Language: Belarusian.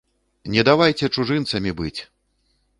Не давайце чужынцамі быць!